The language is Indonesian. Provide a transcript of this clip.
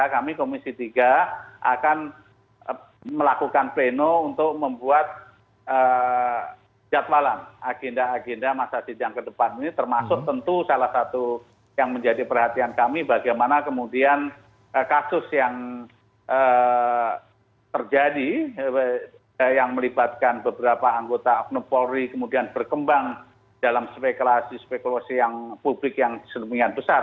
kami komisi tiga akan melakukan pleno untuk membuat jadwalan agenda agenda masa sidang ke depan ini termasuk tentu salah satu yang menjadi perhatian kami bagaimana kemudian kasus yang terjadi yang melibatkan beberapa anggota nupori kemudian berkembang dalam spekulasi spekulasi yang publik yang sedemikian besar